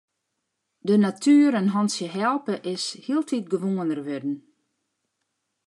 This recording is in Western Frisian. De natuer in hantsje helpe is hieltyd gewoaner wurden.